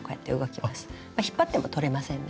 引っ張っても取れませんね。